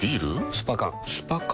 スパ缶スパ缶？